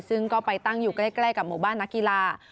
ซึ่งก็ไปตั้งอยู่ใกล้กับหมู่บ้านนักกีฬา